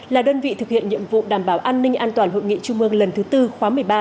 là đơn vị thực hiện nhiệm vụ đảm bảo an ninh an toàn hội nghị trung mương lần thứ tư khóa một mươi ba